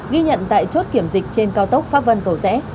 ghi nhận tại chốt kiểm dịch trên cao tốc pháp vân cầu rẽ